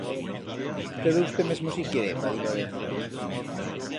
Prebe usté mesmo si quiere, va dir Lorenzo.